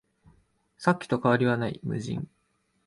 さっきと変わりはない、無人